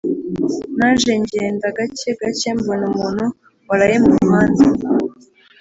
Naje ngenda gake gake mbona umuntu waraye mu muhanda